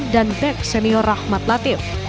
dan back senior rahmat latif